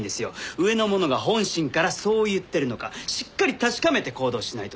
上の者が本心からそう言ってるのかしっかり確かめて行動しないとね。